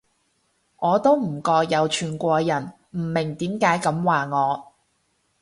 我都唔覺有串過人，唔明點解噉話我